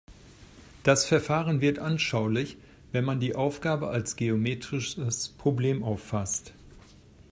Das Verfahren wird anschaulich, wenn man die Aufgabe als geometrisches Problem auffasst.